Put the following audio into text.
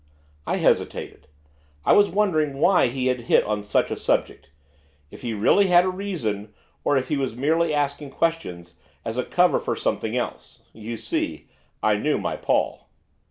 I hesitated, I was wondering why he had hit on such a subject; if he really had a reason, or if he was merely asking questions as a cover for something else, you see, I knew my Paul.